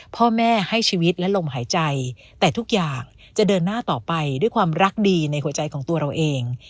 พ่อแม่ให้ชีวิตและลมหายใจแต่ทุกอย่างจะเดินหน้าต่อไปด้วยความรักดีในหัวใจของตัวเราเอง